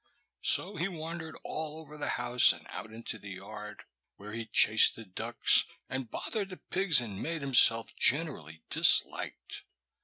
So he wandered all over the house and out into the yard, where he chased the ducks and bothered the pigs and made himself generally disliked.